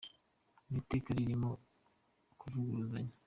Ni iteka ririmo ukuvuguruzanya